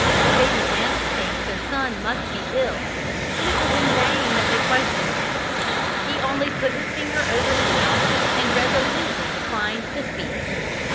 They began to think that their son must be ill; but it was in vain that they questioned him. He only put his finger over his mouth and resolutely declined to speak.